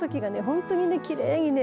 本当にきれいにね